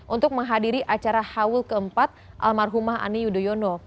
untuk menghadiri acara haul ke empat almarhumah ani yudhoyono